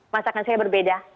masakan saya berbeda